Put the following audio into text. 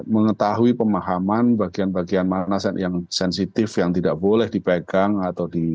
mengetahui pemahaman bagian bagian mana yang sensitif yang tidak boleh dipegang atau di